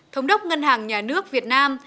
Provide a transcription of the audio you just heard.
thống đốc ngân hàng nhà nước việt nam